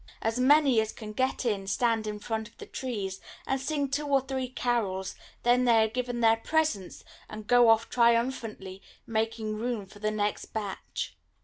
As many as can get in stand in front of the trees, and sing two or three carols; then they are given their presents, and go off triumphantly, making room for the next batch.